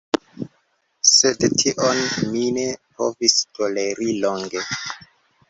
Sed, tion mi ne povis toleri longe.